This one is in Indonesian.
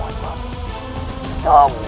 aku ingin bersemedi